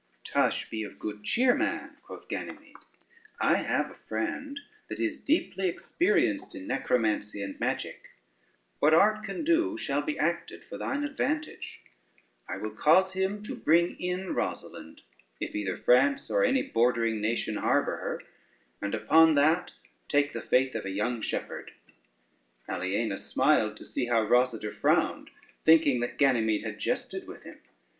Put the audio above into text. "Tush, be of good cheer, man," quoth Ganymede: "I have a friend that is deeply experienced in negromancy and magic; what art can do shall be acted for thine advantage: I will cause him to bring in Rosalynde, if either France or any bordering nation harbor her; and upon that take the faith of a young shepherd." Aliena smiled to see how Rosader frowned, thinking that Ganymede had jested with him.